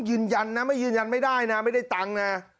ยืนยันไม่ได้นะไม่ได้ตังค์